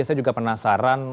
saya juga penasaran